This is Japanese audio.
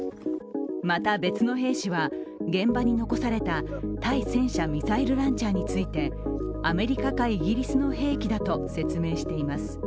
また、別の兵士は現場に残された対戦車ミサイルランチャーについてアメリカかイギリスの兵器だと説明しています。